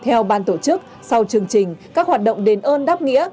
theo ban tổ chức sau chương trình các hoạt động đền ơn đáp nghĩa